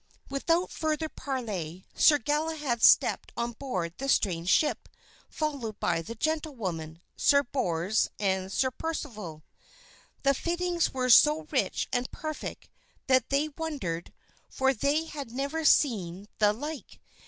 Without further parley Sir Galahad stepped on board the strange ship, followed by the gentlewoman, Sir Bors, and Sir Percival. The fittings were so rich and perfect that they wondered, for they had never seen the like.